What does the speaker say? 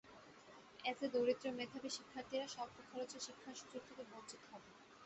এতে দরিদ্র মেধাবী শিক্ষার্থীরা স্বল্প খরচে শিক্ষার সুযোগ থেকে বঞ্চিত হবেন।